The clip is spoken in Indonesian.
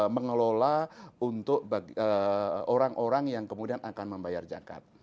mengelola untuk orang orang yang kemudian akan membayar zakat